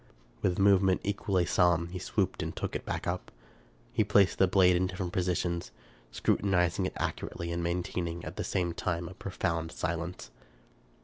With a movement equally solemn he stooped and took it up. He placed the blade in different positions, scrutinizing it accurately, and maintaining, at the same time, a profound silence.